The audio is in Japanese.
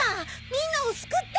みんなをすくって！